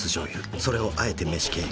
それをあえて飯経由。